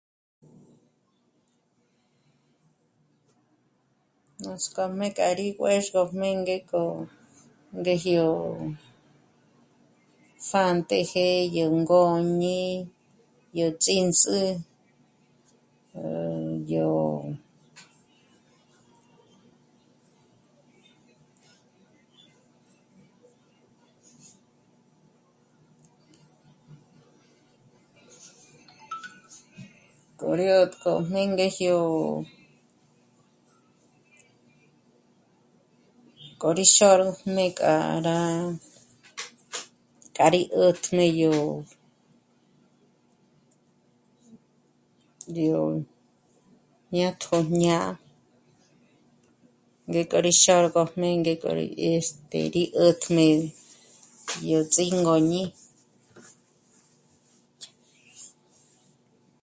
Nuts'k'ójmé k'a rí k'o juë̌zhgöjmé ngék'o ngéjyó pjántëjë é yó ngôñi, yó tsíndzä̀'ä, yó koryó 'ö́tk'ojmé mí ngéjyó k'o rí xôrüjmé k'a rá k'a rí 'ä̀tjmé yó, yó jñátjo jñá'a ngék'o rí xǚrgojmé ngék'o rí, este... rí 'ä̀tjmé yó ts'íngôñi